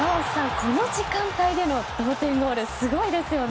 この時間帯での同点ゴールすごいですよね。